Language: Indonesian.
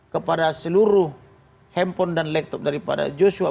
kepada seluruh handphone dan laptop daripada joshua